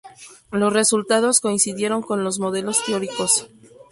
Los resultados coincidieron con los modelos teóricos.